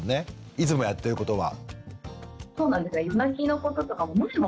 いつもやってることは。